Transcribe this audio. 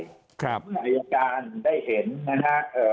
เมื่ออัยการได้เห็นนะครับการให้ข่าวว่ามีล่องรอยมีเบาะแสมีข้อมูลอย่างนู้นอย่างนี้เนี่ย